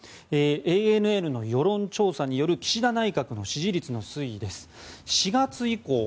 ＡＮＮの世論調査による岸田内閣の支持率の推移です。